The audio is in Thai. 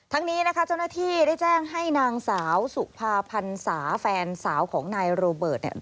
นี้นะคะเจ้าหน้าที่ได้แจ้งให้นางสาวสุภาพันษาแฟนสาวของนายโรเบิร์ตเนี่ย